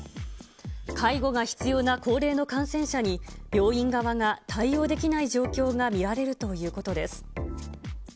介護が必要な高齢の感染者に、病院側が対応できない状況が見られるということです。